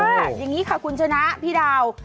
เพราะว่าอย่างนี้ค่ะคุณชนะพี่ดาว